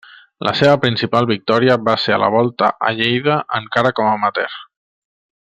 La seva principal victòria va ser a la Volta a Lleida encara com a amateur.